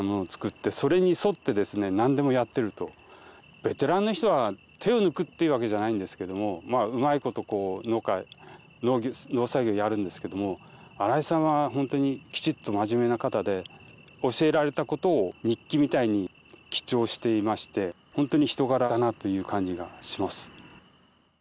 ベテランの人は手を抜くっていうわけじゃないんですけどもうまいこと農作業をやるんですけども荒井さんは本当にきちっと真面目な方で教えられたことを日記みたいに記帳していまして本当に人柄だなという感じがします。